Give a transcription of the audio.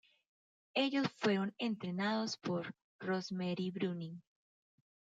Ellos fueron entrenados por Rosemarie Brüning.